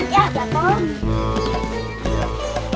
ya gak apa